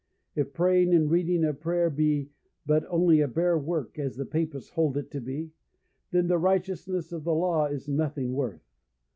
If praying and reading of prayer be but only a bare work, as the Papists hold it to be, then the righteousness of the law is nothing worth.